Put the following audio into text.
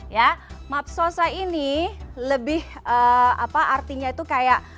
ya map sosa ini lebih apa artinya itu kayak